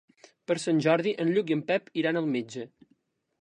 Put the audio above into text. Per Sant Jordi en Lluc i en Pep iran al metge.